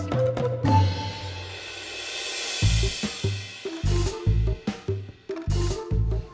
dia itu hantu ika